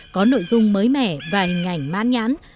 có nội dung mới mẻ và hình ảnh mãn nhãn